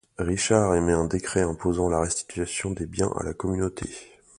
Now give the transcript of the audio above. Richard émet un décret imposant la restitution des biens à la communauté.